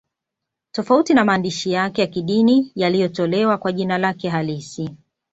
Tofauti na maandishi yake ya kidini yaliyotolewa kwa jina lake halisi